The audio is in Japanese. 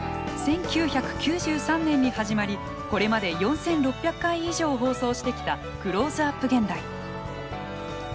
１９９３年に始まりこれまで４，６００回以上放送してきた「クローズアップ現代」。